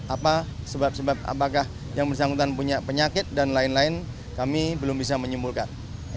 apa sebab sebab apakah yang bersangkutan punya penyakit dan lain lain kami belum bisa menyimpulkan